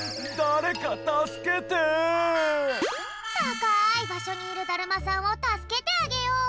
たかいばしょにいるだるまさんをたすけてあげよう！